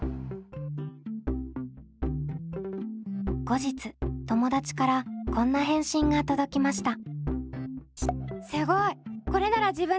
後日友達からこんな返信が届きました。